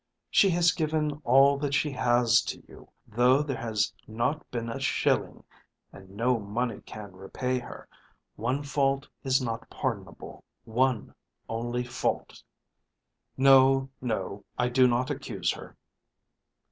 She has given all that she has to you, though there has not been a shilling, and no money can repay her. One fault is not pardonable, one only fault." "No, no. I do not accuse her."